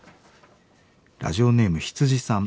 ラジオネームヒツジさん。